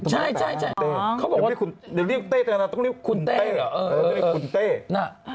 ใช่เขาบอกว่าเดี๋ยวเรียกเต้ตั้งหน้าต้องเรียกคุณเต้เหรอ